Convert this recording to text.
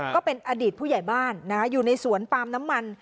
ก็เป็นอดีตผู้ใหญ่บ้านอยู่ในสวนปาล์มน้ำมัน